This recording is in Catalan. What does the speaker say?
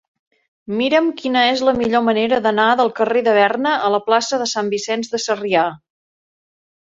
Mira'm quina és la millor manera d'anar del carrer de Berna a la plaça de Sant Vicenç de Sarrià.